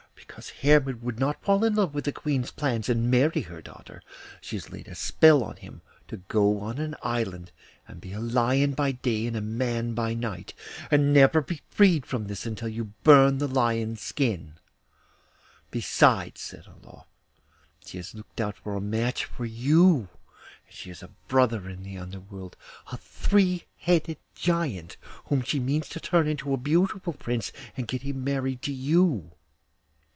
Because Hermod would not fall in with the Queen's plans, and marry her daughter, she has laid a spell on him, to go on an island and be a lion by day and a man by night, and never be freed from this until you burn the lion's skin. Besides,' said Olof, 'she has looked out a match for you; she has a brother in the Underworld, a three headed Giant, whom she means to turn into a beautiful prince and get him married to you.